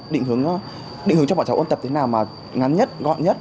định hướng cho bọn cháu ôn tập thế nào mà ngắn nhất gọn nhất